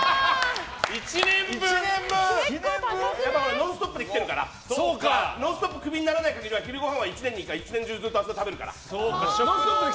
「ノンストップ！」で来てるから「ノンストップ！」がクビにならない限りは昼ごはん１年中ずっとあそこで食べるから。